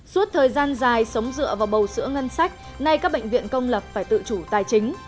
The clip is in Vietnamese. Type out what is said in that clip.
suốt thời gian dài sống dựa vào bầu sữa ngân sách nay các bệnh viện công lập phải tự chủ tài chính